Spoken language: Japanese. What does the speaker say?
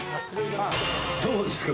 どうですか？